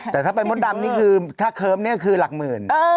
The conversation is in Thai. แต่ถ้าเป็นมดดำนี่คือถ้าเคิ้มเนี่ยคือหลักหมื่น